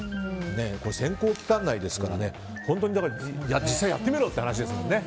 選考期間内ですから、本当に実際やってみろって話ですもんね。